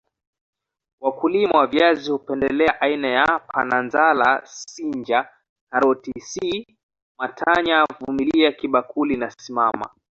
wakulima wa viazi hupendelea aina ya Pananzala sinja karoti C matanya vumilia kibakuli na simama